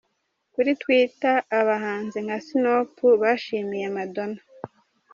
Kuri Twitter abahanzi nka Snoop bashimiye Madona.